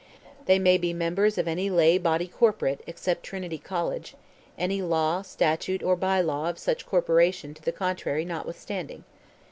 They may be members of any lay body corporate, except Trinity College, any law, statute, or bye law of such corporation to the contrary notwithstanding.